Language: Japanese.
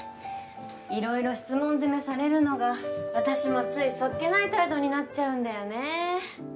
いろいろ質問攻めされるのが私もつい素っ気ない態度になっちゃうんだよね。